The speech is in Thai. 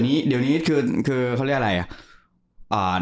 เดี๋ยวนี้คือเขาเรียกอะไรอ่ะ